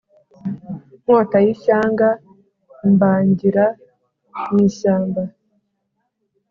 Nkota y’ishyanga, mbangira mu ishyamba.